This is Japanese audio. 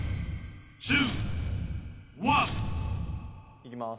いきます。